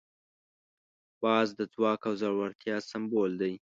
باز د ځواک او زړورتیا سمبول دی